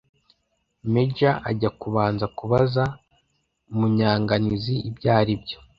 Major ajya kubanza kubaza Munyanganizi ibyo ari byo